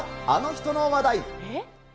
あの人の話題。